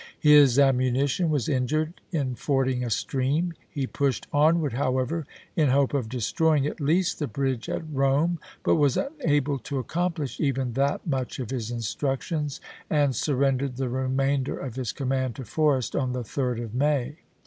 His ammunition was injured in fording a stream. He pushed on ward, however, in hope of destroying at least the bridge at Rome, but was unable to accomplish even that much of his instructions, and surrendered the remainder of his command to Forrest on the 3d 1863. of May.